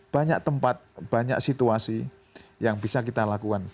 banyak tempat banyak situasi yang bisa kita lakukan